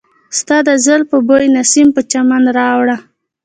ستا د زلفو بوی نسیم په چمن راوړ.